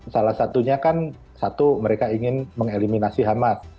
salah satunya kan satu mereka ingin mengeliminasi hamas